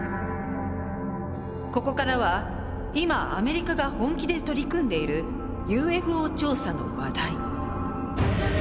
ここからは今アメリカが本気で取り組んでいるＵＦＯ調査の話題。